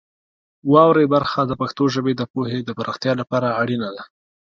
واورئ برخه د پښتو ژبې د پوهې د پراختیا لپاره اړینه ده.